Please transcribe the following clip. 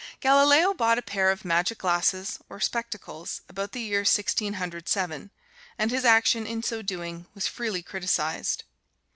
Galileo bought a pair of "magic glasses," or spectacles, about the year Sixteen Hundred Seven; and his action, in so doing, was freely criticized.